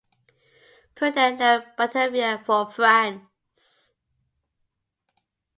Pury then left Batavia for France.